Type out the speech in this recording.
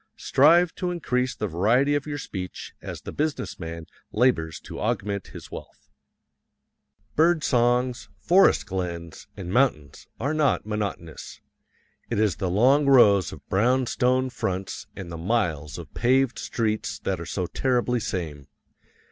Strive to increase the variety of your speech as the business man labors to augment his wealth. Bird songs, forest glens, and mountains are not monotonous it is the long rows of brown stone fronts and the miles of paved streets that are so terribly same.